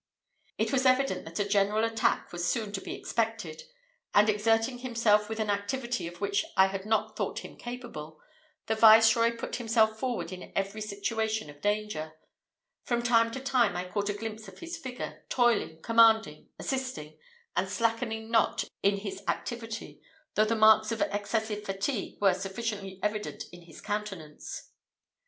It was evident that a general attack was soon to be expected; and, exerting himself with an activity of which I had not thought him capable, the viceroy put himself forward in every situation of danger. From time to time I caught a glimpse of his figure, toiling, commanding, assisting, and slackening not in his activity, though the marks of excessive fatigue were sufficiently evident in his countenance.